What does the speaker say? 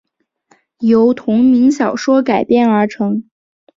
由同名小说改编而成。